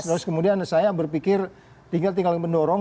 terus kemudian saya berpikir tinggal tinggal mendorong